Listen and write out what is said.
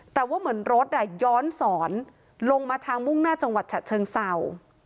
แต่ว่าเหมือนรถย้อนสอนลงมาทางมุ่งหน้าจังหวัดฉะเชิงเศร้า